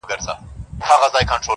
ته مي د ښكلي يار تصوير پر مخ گنډلی~